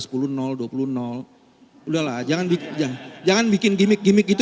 sudahlah jangan bikin gimmick gimmick gitu